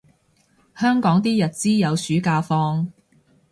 香港啲日資有暑假放